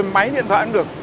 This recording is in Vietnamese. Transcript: máy điện thoại cũng được